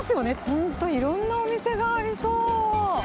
本当、いろんなお店がありそう。